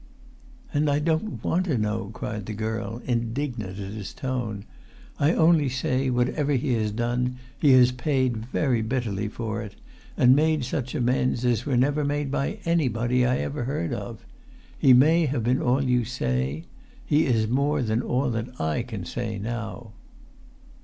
"And I don't want to know!" cried the girl, indignant at his tone. "I only say, whatever he has done, he has paid very bitterly for it, and made such amends as were never made by anybody I ever heard of. He may have been all you say. He is more than all that I can say now!"